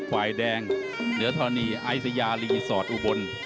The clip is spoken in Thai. ฝ่ายแดงเหนือธรณีไอสยารีสอร์ทอุบล